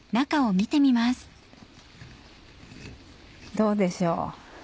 どうでしょう？